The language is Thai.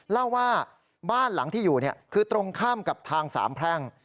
เล่าว่าบ้านหลังที่อยู่คือตรงข้ามกับทางสามแพร่ง